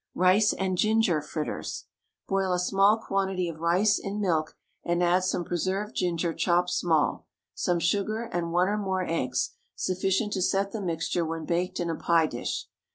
RICE AND GINGER FRITTERS. Boil a small quantity of rice in milk and add some preserved ginger chopped small, some sugar, and one or more eggs, sufficient to set the mixture when baked in a pie dish.